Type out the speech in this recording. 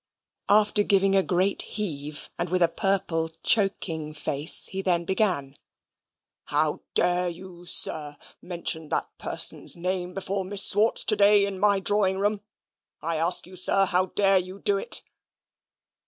After giving a great heave, and with a purple choking face, he then began. "How dare you, sir, mention that person's name before Miss Swartz to day, in my drawing room? I ask you, sir, how dare you do it?"